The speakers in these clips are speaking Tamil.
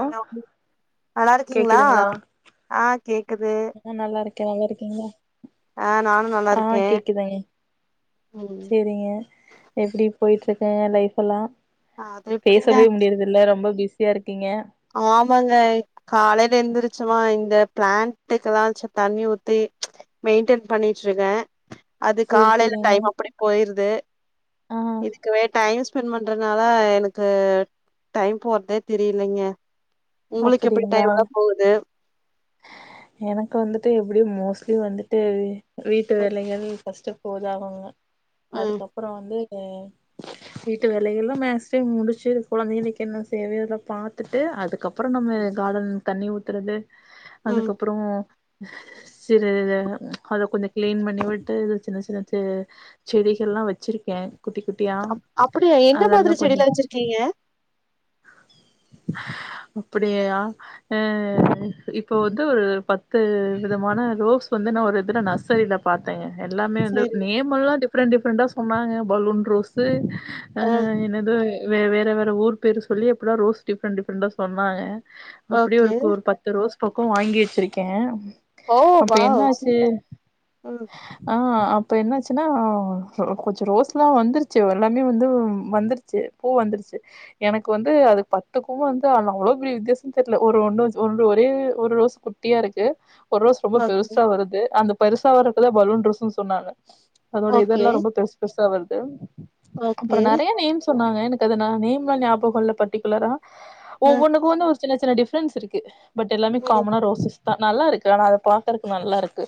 ஹலோ நல்லாருக்கீங்ளா ஆ கேக்குது நா நல்லாருக்கே நல்லாருக்கீங்ளா ஆ நானு நல்லா ஆ இருக்கே கேக்குதங்க ம் செரிங்க எப்டி போயிட்டுருக்கு லைஃப் எல்லா அது எப்டிங்க பேசவே முடியறதில்ல ரொம்ப பி ஸியா இருக்கீங்க ஆமாங்க காலைல எந்திருச்சோமா இந்த பிளான்ட்க்குல்லா செ தண்ணி ஊத்தி மெயின்டென் பண்ணிட்டுருக்கே அது சேரி காலைல சேரிங்க டைம் அப்டி போயிருது ஆ இதுக்குவே டைம் ஸ்பெண்ட் பண்றதுனால எனக்கு டைம் போறதே தெரியலைங்க உங்களுக்கு எப்டி அப்டிங்களா டைம் எல்லா போகுது எனக்கு வந்துட்டு எப்படியு மோஸ்ட்லி வந்துட்டு வீட்டு வேலைகள் ஃபஸ்ட்டு போதாகுங்க ம் அதுக்கப்பறோ வந்து வீட்டு வேலையெல்லா மேக்ஸிமம் முடிச்சு இது குழந்தைகள்க்கு என்ன சேவயோ இதல்லா பாத்துட்டு அதுக்கப் பறோ நம்ம கார்டன் தண்ணி ஊத்துறது ம் அதுக்கப்புறோ சிலரித அத கொஞ்சோ கிளீன் பண்ணி விட்டு இது சின்ன சின்ன செ செடிகள்ல்லா வச்சிருக்கே குட்டி குட்டியா அதெல்லா கொஞ்சொ க்லிங்க அப்டியேயா அ இப்போ வந்து ஒரு பத்து விதமான ரோஸ் வந்து நா ஒரு இதுல நர்சரிலா பாத்தேங்க எல்லாமே வந்து சரி நேம்மெல்லா டிஃப்ரெண்ட் டிஃப்ரெண்டா சொன்னாங்க பலூன் ரோஸ்சு அ ஆ என்னது வே வேற வேற ஊர் பேர் சொல்லி எப்பல்லா ரோஸ் டிஃப்ரெண்ட் டிஃப்ரெண்டா சொன்னாங்க அப்டியே ஓகே ஒருக்கோ ஒரு பத்து ரோஸ் பக்கோ வாங்கி வச்சுருக்கே ஓ அப்ப என்ன வாவ் ஆச்சு சூப்பர் ம் ஆ அப்ப என்னாச்சுனா கொஞ்சோ ரோஸ்ல்லா வந்துருச்சு எல்லாமே வந்து வந்துருச்சு பூ வந்துருச்சு எனக்கு வந்து அது பத் பத்துக்கு வந்து ஆனா அவ்ளோ பெறிய வித்தியாசோ தெர்ல ஒரு ஒண்ணு ஒன்று ஒரே ஒரு ரோஸ் குட்டியா இருக்கு ஒர் ரோஸ் ரொம்ப ஓகே பெருசா வருது அந்த பெருசா வர்றப்பதா பலூன் ரோஸுன்னு சொன்னாங்க அதோட ஓகே இதள்லா ரொம்ப பெருசு பெருசா வருது அப்பறோ ஓகே நெறைய நேம்ஸ் சொன்னாங்க எனக்கு அது ன நேம்ல்லா ஞாபகோ இல்ல பர்டிகுலரா ம் ஒவ்வொன்னுக்கு வந்து ஒரு சின்ன சின்ன டிஃப்ரன்ஸ் இருக்கு பட் எல்லாமே ம் காமனா ரோசஸ் தா நல்லாருக்கு ஆனா அத பாக்கறக்கு நல்லாருக்கு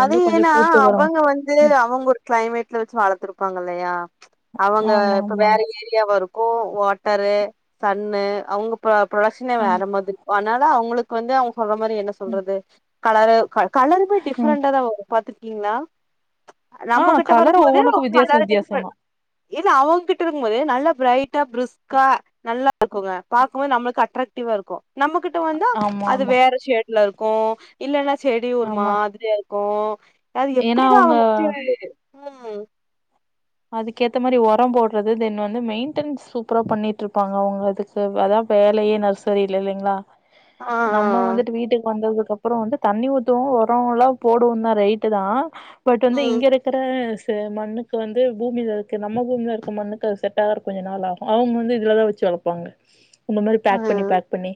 அது ஏனா அவங்க வந் து அவங்க ஒரு கிளைமேட்ல வச்சு வளத்துருப்பாங்க இல்லையா அவங்க ஆமா இப்ப ஆமா வேற ஏ ஏரியாவா இருக்கு வாட்டரு சன்னு அவங்க ப ப்ரொடக்ஷனே ஆ வேற மாதிரி இருக்கு அதுனால அவுங்களுக்கு வந்து அவுங் சொல்ற மாரி என்ன ம் சொல்றது கலரு க கலரு ம் டிஃப்ரண்டா தா வரு பாத்துருக்கீங்களா ஆ நம்மகிட்ட கலர் வரும்போது ஒவ்வொன்னுக்கு வித்தியாச கலர் டிஃப்ரன் வித்தியாசமா இல்ல அவங்க கிட்ட இருக்கும்போது நல்லா பிரைட்டா பிருஸ்க்கா நல்லா இருக்குங்க பாக்கம் போது நம்மளுக்கு அட்ராக்டிவா இருக்கு நம்மகிட்ட வந்தா ஆமா அது ஆமா வேற ஷேட்ல க்கு இல்லனா செடி ஒரு ஆமா மாதிரியா இருக்கு அது எப்டிதா அவங்க [unintelligible] ம் அதுக்கேத்த மாரி உரொ போட்றது தென் வந்து மெயின்டன் சூப்பரா பண்ணிட்ருப்பாங்க அவுங்க அதுக் சோ அதா வேலையே நர்சரில இல்லைங்களா ஆ நம்ம வந்துட்டு வீட்டுக்கு வந்ததுக் அப்பறோ வந்து தண்ணி ஊத்துவோ ஒரோல்லா போடுவோந் தா ரைட்டு தா பட் வந்து ம் இங்க இருக்குற ச மண்ணுக்கு வந் து பூமில இருக்க நம்ம பூமில இருக்க மண்ணுக்கு அது செட் ஆகறக் கொஞ்ச நாள் ஆகு அது முள் இதுலதா வச்சு வளப்பாங்க இந்த மாதிரி பேக் பண்ணி ம் பேக் பண்ணி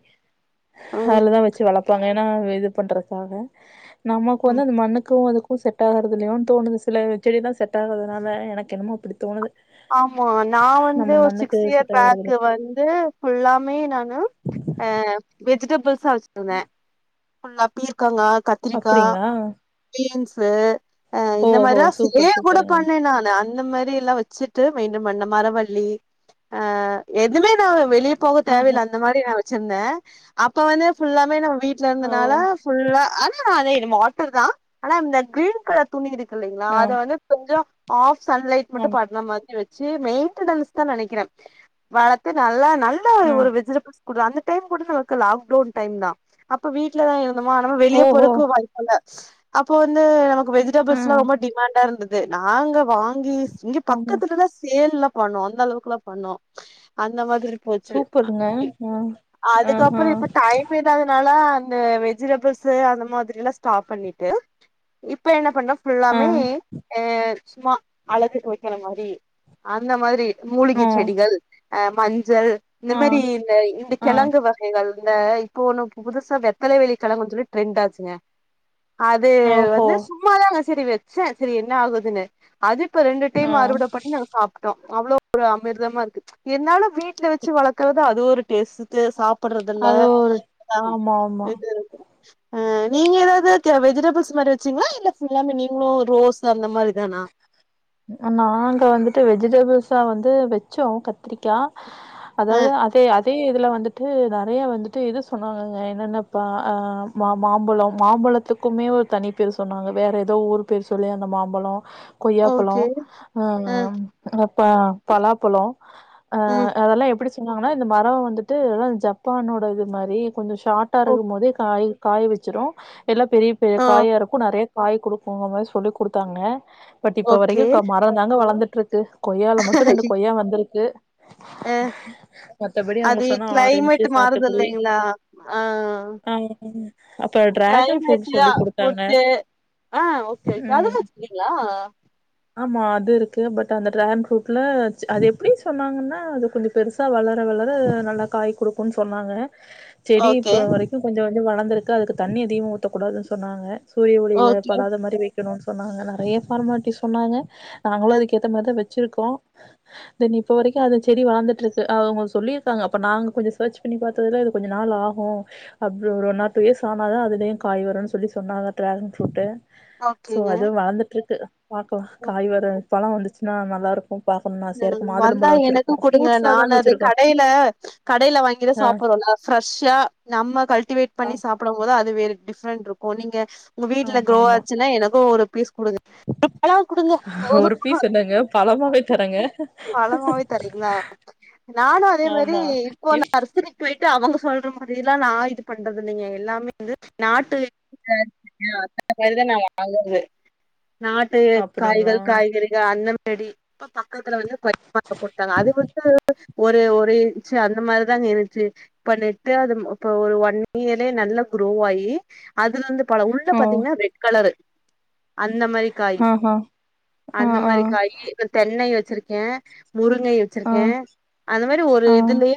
ஆ, ம் அதுலதா வச்சு வளப்பாங்க னா இது பண்றதுக்காக நமக்கு ம் வந்து அந்த மண்ணுக்கு அதுக்கு கு செட் ஆகறது இல்லையோன்னு தோணுது சில செடி தா செட் ஆகதனால எனக்கு என்னமோ அப்டி தோணுது ஆமா நா வந்து நம்ம ஒரு மண்ணுக்கு சிக்ஸ் இயர் செட் ஆகறதில்ல பேக்கு வந்து ஃபுல்லாமே நானு அ வெஜிடபுள்ஸா வச்சுட்ருந்தே ஃபுல்லா பீர்க்கங்கா கத்திரிக்கா அப்டிங்களா பீன்ஸ்சு அ இந்த ஓஹோ மாரிதா சூப்பர் சேர் கூட சூப்பருங்க பண்ணே நானு அந்த மாரில்லா வச் டு மெய்டன் பண்ணே மரவள்ளி ஆ எதுமே நாம வெளிய போக ஆஹா தேவையில்ல அந்த மாரி ரி நா வச்சுருந்தே அப்ப வந்து ஃபுல்லாமே நம்ம வீட்ல ஓ இருந்தனால ஃபுல்லா ஆனா அதே நம்ம வாட்டர் தா ஆனா இந்த கிரீன் கலர் துணி இருக்கு இல்லைங்களா ஆ அத வந்து கொஞ்சோ ஆஃப் சன்லைட் மட்டு ஆமா பற்ற மாரி ரி வச்சு மெய்ன்ட்டனன்ஸ் தா நெனைக்குறே வளத்து நல்லா நல்லா ஒரு ஆ ஒரு வெஜிடபிள்ஸ் குற்றா அந்த டைம் கூட நமக்கு லாக்டவுன் டைம் தா அப்ப வீட்ல தா இருந்தமா அதுனால வெளிய ஓஹோ போறக்கு வாய் இல்ல அப்போ வந்து நமக்கு ஆ வெஜிடபிள்ஸ்ல்லா ரொம்ப டிமாண்டா இருந்தது து நாங்க வாங்கி இங்க ஆமா பக்கத்துலேலா சேல்லா பண்ணோ அந்த அளவுக்குலா பண்ணோ அந்த மாதிரி போச்சு அ சூப்பருங்க இ ஆ ஆஹா அதுக்கப்பறோ இப்ப டைம் இதாதுனால அந்த வெஜிடபிள்ஸு அந்த மாதிரிலா ஸ்டாப் பண்ணிட்டு இப்ப என்ன பண்ணா ஆ ஃபுல்லாமே அ சும்மா அழகுக்கு வைக்கிற மாரி அந்த மாரி ஓ மூலிகை செடிகள் அ மஞ்சள் இந்த ஆ மாரி இந்த இந்த ஆ கிழங்கு வக கைகள் இந்த இப்ப ஒண்ணு புதுசா வெத்தலை வெலி கெழங்குனு சொல்லி ட்ரெண்ட் ஆச்சுங்க அது ஓஹோ வந்து சும்மாதாங்க சரி வச்சே சரி என்ன ஆகுதுனு அது இப்ப ரெண்டு ஆ டைம் அறுவட பண்ணி நாங்க சாப் டோ அவ்ளோ ஒரு அமிர்தமா இருக்கு என்னால வீட்ல வச்சு வளக்கறது அது ஒரு டேஸ்டு சாப் ப்படுறதல அது ஒரு அ ஆமா ஆமா இது அ நீங்க ஏதாவது வெஜிடபுள்ஸ் மாரி வச்சீங்ளா இல்ல ஃபுல்லாமே நீங்களு ரோஸ் அந்த மாரி தானா நாங்க வந்துட்டு வெஜிடபுள்ஸா வந்து வச்சோ கத்திரிக்கா ஆ அதாது அதே அத் அதே இதுல வந்துட்டு நெறைய வந்துட்டு இது சொன்னாங்கங்க என்னன்னப்ப மாம்பழம் மாம்பழத் த்துக்குமே ஒரு தனி பேர் சொன்னாங்க வேற ஏதோ ஊர் பேரு சொல்லி அந்த மாம்பழோ கொய் பலோ ஓகே அ ஆ அந்த ப பலாப்பழ ம் அதெல்லா எப்டி சொன்னாங்கன்னா இந்த மரோ வந்துட்டு எல்லாம் ஜப்பானோட இது மாரி கொஞ்ச ஷாட்டா ஓ இருக்கும் போதே காய் காய் வச்சிரு எல்லாம் பெரிய பெரிய ஆ காயா இருக்கு நெறைய காய் குடுக்குங்க மாரி சொல்லி குடுத்தாங்க பட் இப்ப ஓகே வரைக்கு மரம்ந்தாங்க வளந்துட்டு இருக்கு கொய்யால மட்டு ரெண்டு கொய்யா வந்திருக்கு ஆ மத்தபடி அவங்க அது சொன்ன ஆரஞ்சு கிளைமேட் மாறுது சாத்துக்குடி இல்லேங்களா அ ஆ அப்ப டிராகன் கிளைமேட்டு ஃப்ரூட் தா சொல்லி குடுத்தாங்க ஃபுட்டு அ ஓகே ஓகே அதுல்லா ம் வச்சிருக்கீங்களா ஆமா அது இருக்கு பட் அந்த டிரான் ஃப்ரூட்ல அது எப்பிடி சொன்னாங்கன்னா அது கொஞ்சம் பெருசா வளர வளர நல்லா காய் குடுக்குன் சொன்னாங்க செடி ஓகே இப்போ வரைக்கு கொஞ்ச கொஞ்ச வளந்துருக்கு அதுக்கு தண்ணி அதிகமா ஊத்தகூடாதுன் சொன்னாங்க சூரிய ஒளில ஓகே. படாத மாரி வைக்கணுனு சொன்னாங்க நெறைய ஃபார்மாலிட்டி சொன்னாங்க நாங்களு அ அதுக்க ஏத்த மாரிதா வச்சிருக்கோ தென் இப்ப வரைக்கும் அந்த செடி வளதுட்டு இருக்கு அ அவங்க சொல்லிருக்காங்க அப்ப நாங்க கொஞ்சம் சர்ச் பண்ணி பாத் துல இது கொஞ்ச நாள் ஆகு அப்ப ஒரு ஒன்னார் டூ இயர்ஸ் ஆனாத அதுலய காய் வருனு சொல்லி சொன்னாங்க டிராகன் ஃப்ரூடு சோ ஓகேங்க. அதுவு வளந்துட்டு இருக்கு பாக்கலா ம். காய் வர பழ வந்துச்சுன்னா நல்லா இருக்கு பாக்கணுன்னு ஆசையா இருக்கு வந்தா மாதுளம்பழோ எனக்கு வச்சிருக்கோ குடுங்க ஃப்ரூட்ஸா தாங்க நான் அத வச்சிருக்கோ கடைல கடைல வாங்கி தா ஆ சாப்புறோ ஃப்ரெஷ்ஷா நம்ம கல்டிவேட் ஆ பண்ணி சாப்புடும் போது அது வேற டிஃப்ரெண்ட் இருக்கு நீங்க உங்க வீட்ல ஆமா குரோவ் ஆமா ஆச்சுன்னா எனக்கு ஒரு பீஸ் குடுங்க ஒரு பழம் குடுங்க போது ஒரு பீஸ் என்னங்க பழமாவே தறங்க பழமாவே தரீங்ளா நானு அதே மாரி ஆமா இப்போ என் நர்சரி போயிட்டு அவங்க சொல்ற மாரிலா நா இது பண்றது இல்லிங்க எல்லாமே வந்து நாட்டு [unintelligible] நாட் அப்டிங்களா காய்கள் காய்கறிகள் அந்தமரி பக்கத்துல வந்து பய கொடுத்தாங்க அது வந்து ஒரு ஒரு இச்சு அந்த மாரிதாங்க இருன்ச்சு பண்ணிட்டு அது இப்ப ஒரு ஒன் இயரே நல்ல குரோ ஆயி அதுல இருந்து பல உள்ள ஓ பாத்தீங்ன்னா ரெட் கலரு அந்த மாரி காய் ஆஹா ஆ அந்த ஆ மாரி காய் தென்னை வச்சிருக்கே முருங்கை ஆ வச்சிருக்கே அந்த மாரி ஒரு ஆ இதுலயே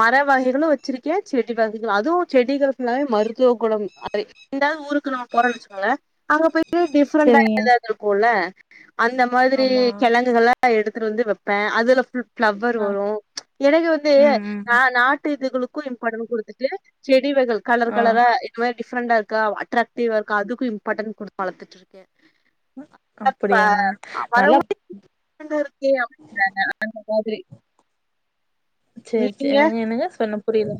மர வகைகளு வச்சிருக்க செடி வகைகள் அதுவு செடிகள் ஃபுல்லாவே மருத்துவ குணம் அது இந்தா ஊருக்கு நம்ம போறோன் வச்சுகோங்க அங்க போயிட்டு டிஃப்ரெண்டா செரிங்க ஏதாது இருக்குல அந்த மாதிரி ஆமா கிழங்குகள்லா எடுத்துட்டு வந்து வப்பே அதுல ஃபுல் ஃபிளவர் ஆ வரு எனக்கு வந்து ம் ம் நா நாட்டு இதுகளுக் கு இம்பார்டன்ட் குடுத்துட்டு, செடி வகள் கலர் ஆ கலரா இந்த மாரி டிஃப்ரெண்டா இருக்கா, அடராக்டிவா இருக்கா அதுக்கு இம்பார்டன் குடுத்து வளத்துட்டு இருக்கே. அப்படியா நல்லா அங்க ஒருத்தி அப்டின்றாங்க அந்த மாதிரி. செரி செரி நீங்க என்னங்க என்னங்க சொன்ன புரியல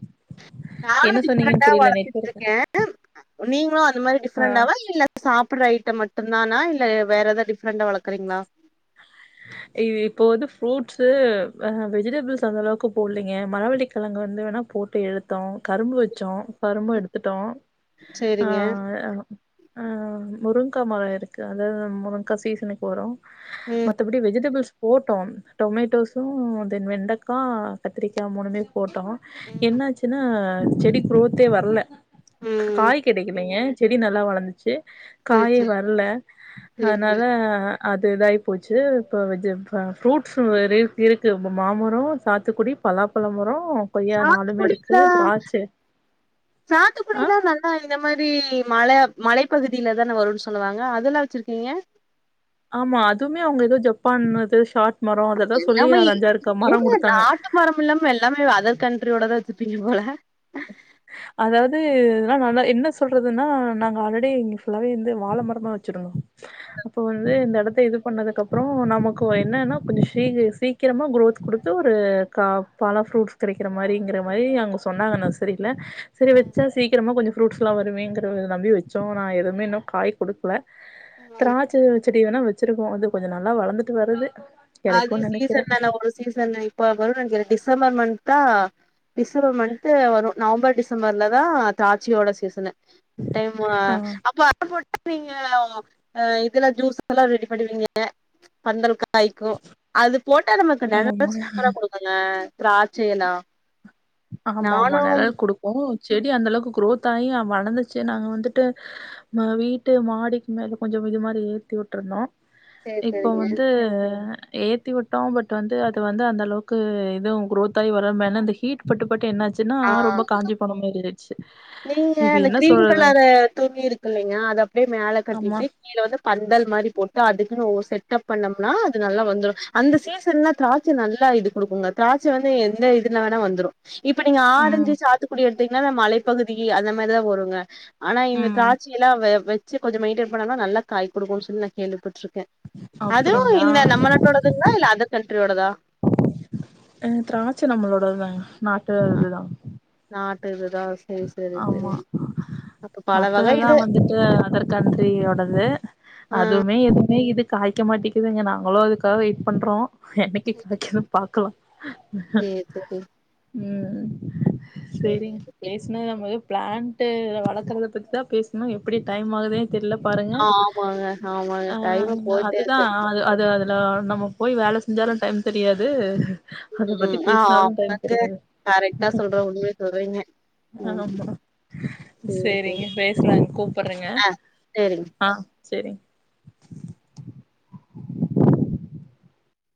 நானு என்ன சொன்னீங்கன்னு டிஃப்ரெண்டா புரியல வளத்துட்டு நெட்வொர்க் இருக்க நீங்களு அது மாரி ஆ டிஃப்ரெண்டவா இல்ல. சாப்ட்ற ஐட்டம் மட்டு தானா இல்ல, வேற எதாவது டிஃப்ரெண்ட்டா வளக்குறீங்ளா. ஆ இப்போ வந்து ஃப்ரூட்ஸ், வெஜிடபிள்ஸ் அந்த அளவுக்கு போட்லீங்க. மரவள்ளிக்கிழங்கு வந்து வேணா போட் பே எடுத்தோ கரும்பு வச்சோ கரும்பு எடுத்துட்டோ ஆ சேரிங்க ஆ முருங்கா மர இருக்கு அதாவது முருங்கா சீசனுக்கு வரு ம் மத்தபடி வெஜிடபிள்ஸ் போட்டோ டொமேட்டோஸு தென் வெண்டைக்கா கத்திரிக்கா மூணுமே போட்டோ ம் என்னாச்சுனா செடி குரோத்தே வரல ம் காய் கெடைக்கலங்க செடி நல்லா வளந்துச்சு சேரி காயே சேரி வரல சேரி அதனால சேரி இது இதாகி போச்சு, இப்போ வெஜ் ஃப்ரூட்ஸு இருக்குது, மாமர சாத்துக்குடி பலாப்பழ மரோ சாத்துக்குடிக்கா சாத்துக்குடில்லா நல் ஆ இந்த மாரி மல மலைப்பகுதியில தான வருன்னு சொல்லுவாங்க. அதெல்லா வச்சிருக்கீங்க. ஆமா அதுவுமே அவங்க எதோ ஜப்பான் இது ஷாட் மர அததா சொல்லி அ அஞ்சாறுருக்க மர குடுத்தாங்க. ஃபுல்லாமே, எல்லாமே அதர் கண்ட்ரியோடதா வச்சிருப்பீங்க போல. அதாவது இதுல்லா நல்லா என்ன சொல்றதுன்னா, நாங்க ஆல்ரெடி இங்க ஃபுல்லாவே ந்து வாழ மரமா வச் சுடு அப்ப வந்து இந்த இடத்த இது பண்ணதுக்குப்பற நமக்கு என்னனா கொஞ்சோ சீக் சீ கிரமா குரோத் குடுத்து ஒரு கா பல ஃப்ரூட்ஸ் கெடைக்கிற மாரிங்கிற மாரி அங்க சொன்னாங்க நா சரி இல்ல சரி வச்சா சீக்கிரமா கொஞ்சோ ஃப்ரூட்ஸ்லா வருவேங்கிற நம்பி வச்சோ. ஆனா எதுமே இன்னும் காய் குடுக்ல. திராட்ச செடி வேணா வச்சிருக்கோ அது கொஞ்சோ நல்லா வளந்துட்டு வருது. அது கெடைக்குன் நெனைக்கிறே சீசன் தான, ஒரு சீசன் இப்ப வரும்கிற டிசம்பர் மந்த்தா. டிசம்பர் மந்த்து வரு நவம்பர், டிசம்பர்ல தா திராட்சையோட சீசனு. திஸ் டைமு ஆ அப்பா போட்டு நீங்க இதுல ஜூஸ் எல்லா ரெடி பண்ணுவீங்க பந்தல் காய் அது போட்டா நமக்கு நெறய ஆமா சூப்பரா குடுக்குங்க திராட்சை எல்லா ஆமாமா நானு நிழல் குடுக்கும். செடி அந்த அளவுக்கு குரோத் ஆகி வளந்துச்சு நாங்க வந்துட்டு, வீட்டு மாடிக்கு மேல கொஞ்சோ இது மாரி ஏத்தி விட்ருந்தா சேரி இப்போ சேரிங்க வந்து ஏத் தி விட்டோ பட் வந்து அது வந்து அந்தளவுக்கு இதுவு குரோத் ஆகி வரவுமே இல்ல அந்த ஹீட் பட்டுப்பட்டு என்னாச்சு ன்னா ஆ ரொம்ப காஞ்சி போன மாரி இருந்ச்சு. நீங்க இந்த கிரீன் கலரு துணி இருக்கு இல்லைங்க, அத அப்டியே மேல ஆமா. கட்டிட்டு கீழ வந்து, பந்தல் மாரி போட்டு, அதுக்குன் ஒரு செட்அப் பண்ணோனா அது நல்லா வந்துடு அந்த சீசன்லா திராட் ச் நல்லா இது குடுக்குங்க. திராட்ச வந்து எந்த இதுல வேணா வந்துரு இப்ப நீங்க ஆரஞ்சு, ம். சாத்துக்குடி எடுத்தீங்கன்னா இந்த மலைப்பகுதி அந்த மாரிதா வருங்க. ஆனா இந்த ம். திராட்சை எல்லா வச்சு கொஞ்சோ மெயின்டென் பண்ணாதா நல்லா காய் குடுக்கு சொல்லி நா கேள்விப்பட்ருக்கே. அதுவு அப்படிங்களா? இந்த நம்ம நாட்டோடதுங்களா இல்ல அதர் கண்ட்ரியோடதா. அ திராட்ச நம்மளோடதுதா நாட்டு அ இதுதா நாட்டு இதுதா சேரி சேரி ஆமா சேரி அப்ப பல வகை மத்ததுதா இது வந்துட்டு அதர் கண்ட்ரியோடது ஆ அது வுமே எதுவுமே இது காய்க மாட்டேகுதுங்க நாங்களு அதுக்காக வெயிட் பண்றோ என்னைக்கு கெடைக்குதோ பாக்லா சேரி சேரி ம் சேரிங் சேரி பேச்ன நமக்கு பிளாண்ட்டு வளர்க்குறத பத்தி தா பேச்னோ எப்டி டைம் ஆகுதுனே தெர்ல பாருங்க ஆமாங்க ஆமாங்க ஆ டைமு போயிட்டே அதுதா இருக்கு அ அது அது லோ நம்ம போய் வேலை செஞ்சாலு டைம் தெரியாது அத பத்தி ம் பேசினாலு டைம் ஆமாங்க தெரியாது கரெக்டா சொல்றே உண்மயே சொல்றீங்க ம் ஆமா சேரி சேரி சேரிங்க பேச்லாங் கூப்புறேங்க ஆ சேரிங்க ஆ செரிங்